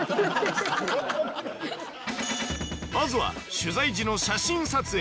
まずは取材時の写真撮影。